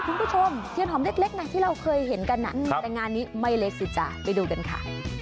คุณผู้ชมเทียนหอมเล็กนะที่เราเคยเห็นกันแต่งานนี้ไม่เล็กสิจ๊ะไปดูกันค่ะ